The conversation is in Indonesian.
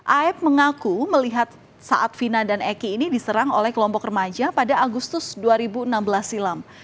aeb mengaku melihat saat vina dan eki ini diserang oleh kelompok remaja pada agustus dua ribu enam belas silam